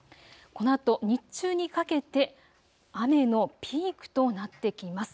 このあと日中にかけて雨のピークとなってきます。